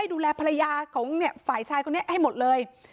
ดูแลภรรยาของฝ่ายชายคนนี้ให้หมดเลย